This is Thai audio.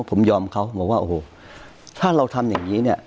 ผมยอมเขาบอกว่าโอ้โหถ้าเราทำอย่างนี้เนี่ย